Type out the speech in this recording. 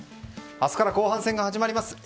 明日から後半戦が始まります。